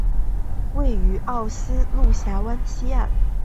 位于奥斯陆峡湾西岸。